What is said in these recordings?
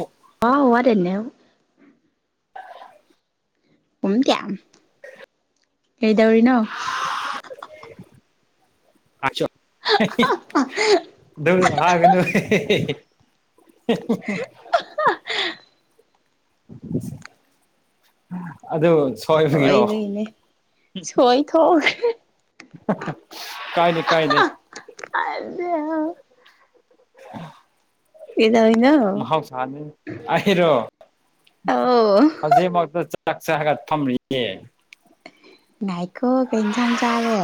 ꯑꯣ ꯑꯣ ꯍꯗꯅꯦ ꯍ ꯀꯌꯥꯝ ꯀꯩꯗꯧꯔꯤꯅꯣ ꯗ ꯍꯥ ꯀꯅ [inaudible] ꯑꯗ ꯁꯣꯣꯏ ꯂꯩꯣꯏꯅꯦ ꯁꯣꯣꯏ ꯊꯣꯛ ꯀꯥꯏ ꯂꯩ ꯀꯥꯏ ꯂꯩ ꯑꯗ ꯎꯝ ꯌꯦꯗꯩꯅ ꯃꯍꯥꯎꯁꯥꯅꯤ ꯑꯩꯔꯣ ꯑꯧ ꯍꯧꯖꯤꯛꯃꯛꯇ ꯆꯥꯛꯁꯔꯒ ꯊꯝꯔꯤꯌꯦ ꯉꯥꯏꯈꯣ ꯀꯩ ꯏꯟꯁꯥꯡ ꯆꯥꯔꯦ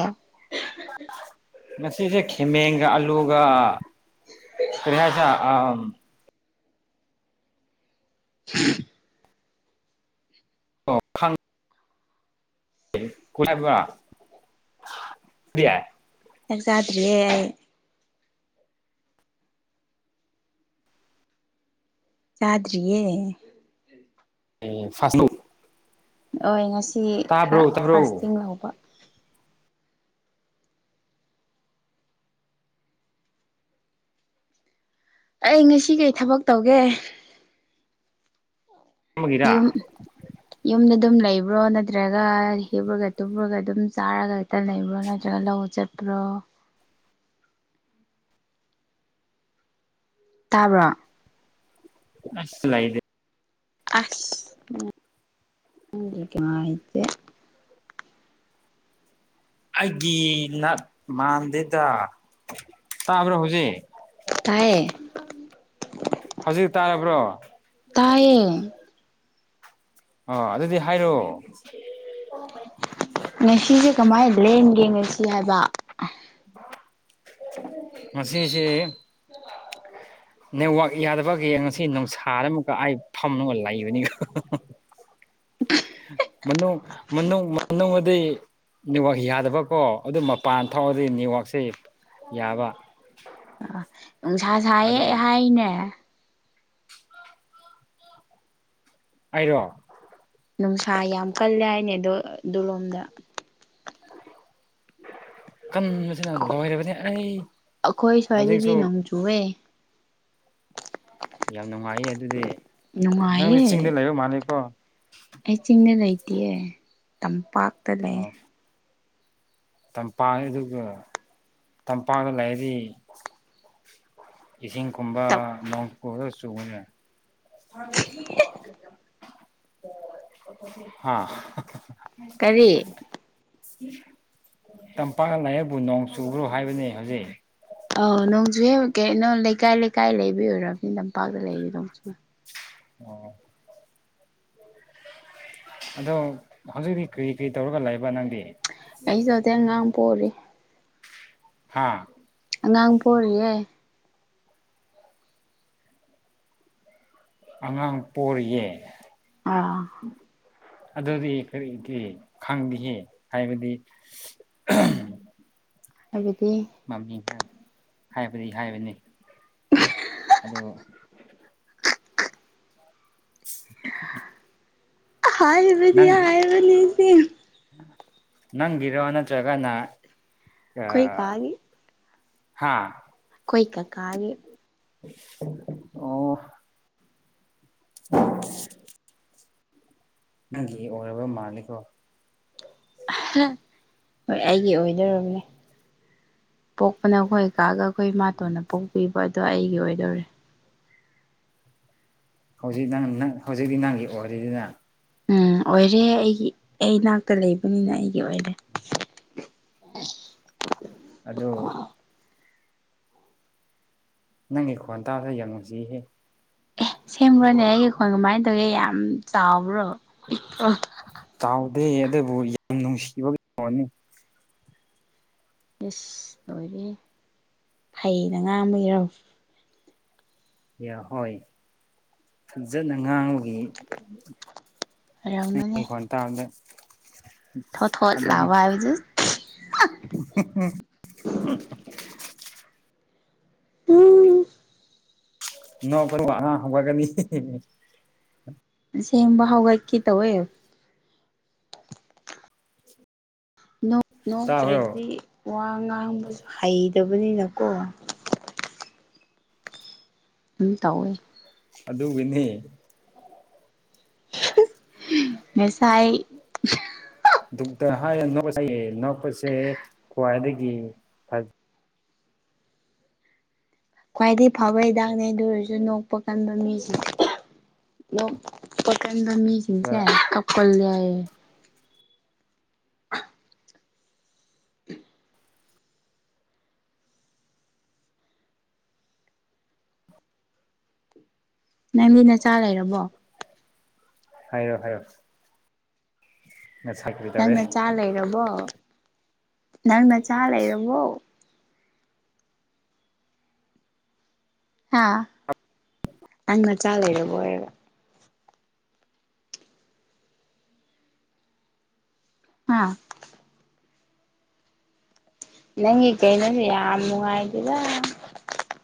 ꯃꯁꯤꯁꯦ ꯈꯦꯃꯦꯦꯟꯒ ꯑꯂꯨꯒ ꯀꯔꯤꯌꯥꯁ ꯑ [inaudible] ꯑꯣ ꯈꯪ ꯀ ꯐꯔꯤ ꯌꯥ ꯍꯦꯛ ꯆꯥꯗ꯭ꯔꯤꯌꯦ ꯑꯩ ꯆꯗ꯭ꯔꯤꯌꯦ ꯑꯦ ꯐꯥꯁꯁꯇꯧ ꯍꯣꯏ ꯉꯁꯤ ꯇꯥꯕ꯭ꯔꯣ ꯈꯔ ꯇꯥꯕ꯭ꯔꯣ ꯐꯥꯁꯇꯤꯡ ꯂꯧꯕ ꯑꯩ ꯉꯁꯤ ꯀꯩ ꯊꯕꯛ ꯇꯧꯒꯦ ꯑꯃꯒꯤꯔ ꯌꯨꯝ ꯌꯨꯝꯗ ꯑꯗꯨꯝ ꯂꯩꯕ꯭ꯔꯣ ꯅꯠꯇ꯭ꯔꯒ ꯍꯤꯄꯨꯔꯒ ꯇꯨꯝꯨꯔꯒ ꯑꯗꯨꯝ ꯆꯥꯔꯒ ꯍꯛꯇ ꯂꯩꯕ꯭ꯔꯣ ꯅꯠꯇ꯭ꯔꯒ ꯂꯧ ꯆꯠꯄ ꯑꯗꯨꯒ꯭ꯔꯣ ꯇꯥꯕ꯭ꯔꯥ ꯑꯁ ꯂꯥꯏꯗ ꯑꯁ ꯍꯥꯏꯇꯦ ꯑꯩꯒꯤ ꯂꯠ ꯃꯥꯟꯗꯦꯗ ꯇꯥꯕ꯭ꯔꯣ ꯍꯧꯖꯤꯛ ꯇꯌꯦ ꯍꯧꯖꯤꯛ ꯇꯥꯔꯕ꯭ꯔꯣ ꯇꯥꯏꯌꯦ ꯑꯥ ꯑꯗꯨꯗꯤ ꯍꯥꯏꯔꯛꯑꯣ ꯉꯁꯤꯁꯦ ꯀꯃꯥꯏꯅ ꯂꯦꯟꯒꯦ ꯉꯁꯤ ꯍꯥꯏꯕ ꯃꯁꯤꯁꯤ ꯅꯦꯠꯋꯥꯛ ꯌꯥꯗꯕꯒꯤ ꯉꯁꯤ ꯅꯨꯡꯁꯥꯗ ꯑꯃꯨꯀ ꯑꯩ ꯐꯝꯒ ꯂꯩꯕꯅꯤ ꯃꯅꯣ ꯃꯅꯣ ꯃꯅꯣ ꯃ ꯅꯦꯠꯋꯥꯛ ꯌꯥꯗꯕꯀꯣ ꯑꯗꯨ ꯃꯄꯥꯟ ꯊꯣꯛꯥꯎꯑꯗꯤ ꯅꯦꯠꯋꯥꯛꯁꯦ ꯌꯥꯕ ꯅꯨꯡꯁꯥ ꯑꯗꯣ ꯁꯥꯏꯍ ꯍꯥꯏꯅꯦ ꯍꯥꯏꯔꯣ ꯅꯨꯡꯁꯥ ꯌꯥꯝ ꯀꯜꯂꯦ ꯍꯥꯏꯅꯦ ꯑꯗꯣ ꯑꯗꯨꯂꯣꯝꯗ ꯀꯟꯕꯁꯤꯅ ꯂꯣꯏꯔꯕꯅꯤ ꯑꯩ ꯍꯧꯖꯤꯛꯁꯨ ꯇꯨꯋꯦ ꯌꯥꯝ ꯅꯨꯡꯉꯥꯏꯌꯦ ꯑꯗꯨꯗꯤ ꯅꯪꯗꯤ ꯅꯨꯡꯉꯥꯏꯌꯦ ꯆꯤꯡꯗ ꯂꯩꯕ ꯃꯥꯜꯂꯀꯣ ꯑꯩ ꯆꯤꯡꯗ ꯂꯩꯇꯑ ꯇꯝꯄꯥꯛꯇ ꯂꯩ ꯑꯣ ꯇꯝꯄꯥꯛ ꯑꯗꯨꯒ ꯇꯝꯄꯥꯛꯗ ꯂꯩꯔꯗꯤ ꯏꯁꯤꯡꯒꯨꯝꯕ ꯅꯣꯡ ꯄꯨꯔ ꯆꯨꯕꯅꯦ ꯍꯥꯥ ꯃ ꯀꯔꯤ ꯇꯝꯄꯥꯛ ꯂꯥꯏꯌꯦꯛꯄꯨ ꯅꯣꯡ ꯆꯨꯕ꯭ꯔꯣ ꯍꯥꯏꯕꯅꯦ ꯍꯧꯖꯤꯛ ꯑ ꯅꯣꯡꯖꯨꯍꯦ ꯀꯅꯣ ꯂꯩꯀꯥꯏ ꯂꯩꯀꯥꯏ ꯂꯩꯕ ꯑꯣꯏꯔꯕꯅꯤ ꯇꯝꯄꯥꯛꯇ ꯂꯩꯔꯤ ꯅꯣꯡꯖꯨ ꯑꯣ ꯑꯗꯣ ꯍꯧꯖꯤꯛꯤ ꯀꯔꯤ ꯀꯔꯤ ꯇꯧꯔꯒ ꯂꯩꯕ ꯅꯪꯗꯤ ꯑꯩꯁꯨ ꯍꯧꯖꯤꯦꯟ ꯑꯉꯥꯡ ꯄꯔꯤ ꯍꯥꯥ ꯑꯉꯥꯡ ꯄꯣꯔꯤꯌꯦ꯫ ꯑꯉꯥꯡ ꯄꯣꯔꯤꯌꯦ꯫ ꯑꯥ꯫ ꯑꯗꯨꯗꯤ ꯀꯔꯤꯒꯤ ꯈꯪꯗꯦꯍꯦ ꯍꯥꯏꯕꯗꯤ꯫ [unintelligible] ꯍꯥꯏꯕꯗꯤ꯫ ꯃꯃꯤꯡ ꯍꯥꯏꯕꯗꯤ ꯍꯥꯏꯕꯅꯤ ꯑꯗꯨ [unintelligible] ꯍꯥꯏꯕꯗꯤ ꯅꯪ ꯍꯥꯏꯕꯅꯤꯗꯤ꯫ ꯅꯪꯒꯤꯔꯣ ꯅꯠꯇ꯭ꯔꯒꯅ ꯑ ꯑꯩꯈꯣꯏ ꯀꯥꯒꯤ ꯍꯥꯥ꯫ ꯈꯣꯏ ꯀꯛꯀꯥꯒꯤ꯫ ꯑꯣ꯫ [unintelligible] ꯅꯪꯒꯤ ꯑꯣꯏꯔꯕ ꯃꯥꯜꯂꯤꯀꯣ꯫ ꯍꯣꯏ ꯑꯩꯒꯤ ꯑꯣꯏꯗꯣꯔꯕꯅꯦ ꯄꯣꯛ ꯄꯅ ꯑꯩꯈꯣꯏ ꯀꯥꯒ ꯑꯩꯈꯣꯏ ꯃꯥꯇꯣꯟꯅ ꯄꯣꯛꯄꯤꯕ ꯑꯗꯣ ꯑꯩꯒꯤ ꯑꯣꯏꯗꯣꯔꯦ꯫ ꯍꯧꯖꯤꯛ ꯅꯪ ꯅꯪ ꯍꯧꯖꯤꯛꯇꯤ ꯅꯪꯒꯤ ꯑꯣꯏꯔꯤꯗꯤꯅ꯫ ꯎꯝ ꯑꯣꯏꯔꯦ ꯑꯩꯒꯤ ꯑꯩ ꯏꯅꯥꯛꯇ ꯂꯩꯕꯅꯤꯅ ꯑꯩꯒꯤ ꯑꯣꯏꯔꯦ꯫ ꯑꯗꯣ꯫ ꯅꯪꯒꯤ ꯈꯣꯟ ꯇꯥꯕꯁꯦ ꯌꯥꯝ ꯅꯨꯡꯁꯤꯍꯦ꯫ ꯑꯦ ꯁꯦꯡꯕꯔꯣꯅꯦ ꯑꯩꯒꯤ ꯈꯣꯏꯥꯟ ꯀꯃꯥꯏ ꯇꯧꯒꯦ ꯌꯥꯝ ꯆꯥꯎꯕ꯭ꯔꯣ ꯄꯤꯛꯄꯔꯣ꯫ ꯆꯥꯎꯗꯦ ꯑꯗꯨꯕꯨ ꯌꯥꯝ ꯅꯨꯡꯁꯤꯕꯒꯤ ꯈꯣꯟꯅꯤ꯫ ꯏꯁ ꯂꯣꯏꯔꯦ ꯐꯩꯅ ꯉꯥꯡꯕꯒꯤꯔꯣ꯫ ꯌꯥ ꯍꯣꯏ ꯐꯖꯅ ꯉꯥꯡꯕꯒꯤ꯫ ꯑꯣꯏꯔꯝꯃꯅꯤ꯫ ꯇꯥꯡꯗꯦ꯫ ꯊꯣꯠ ꯊꯣꯠ ꯂꯥꯎꯕ ꯍꯥꯏꯕꯗꯨ [unintelligible] [unintelligible] ꯅꯣꯛꯀꯅꯨ ꯑꯉꯥꯡ ꯍꯧꯒꯠꯀꯅꯤ꯫ ꯑꯁꯦꯡꯕ ꯍꯧꯒꯠꯀꯦ ꯇꯧꯋꯦ꯫ ꯇꯥꯕ꯭ꯔꯣ ꯅꯣꯛꯇ꯭ꯔꯗꯤ ꯋꯥ ꯉꯥꯡꯕꯁꯨ ꯍꯩꯇꯕꯅꯤꯅꯀꯣ꯫ ꯎꯝ ꯇꯧꯋꯦ꯫ ꯑꯗꯨꯒꯤ ꯅꯦ꯫ ꯅꯥꯁꯥꯏ꯫ ꯗꯣꯛꯇꯔ ꯍꯥꯏ [unintelligible] ꯅꯣꯛꯄꯁꯦ ꯈ꯭ꯋꯥꯏꯗꯒꯤ ꯐꯕ ꯈ꯭ꯋꯥꯏꯗꯒꯤ ꯐꯕ ꯍꯤꯗꯥꯛꯅꯦ ꯑꯗꯨ ꯑꯣꯏꯔꯖꯨ ꯅꯣꯛꯄ ꯀꯟꯕ ꯃꯤꯖꯤ꯫ ꯅꯣꯛꯄ ꯀꯟꯕ ꯃꯤꯖꯤꯡꯁꯦ ꯀꯞꯀꯜꯂꯦ ꯍꯥꯏꯌꯦ꯫ ꯅꯪꯗꯤ ꯅꯆꯥ ꯂꯩꯔꯕꯣ꯫ ꯍꯥꯏꯌꯣ ꯍꯥꯏꯌꯣ꯫ [unintelligible] ꯅꯪ ꯅꯆꯥ ꯂꯩꯔꯕꯣ ꯅꯪ ꯅꯆꯥ ꯂꯩꯔꯕꯣ꯫ ꯍꯥꯥ ꯅꯪ ꯅꯆꯥ ꯂꯩꯔꯕꯣ ꯍꯥꯏꯔꯒ꯫ ꯍꯥꯥ꯫ ꯅꯪꯒꯤ ꯀꯩꯅꯣꯁꯦ ꯌꯥꯝ ꯅꯨꯡꯉꯥꯏꯗꯦꯗ꯫